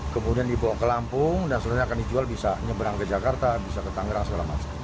kemudian dibawa ke lampung dan seluruhnya akan dijual bisa nyeberang ke jakarta bisa ke tangerang segala macam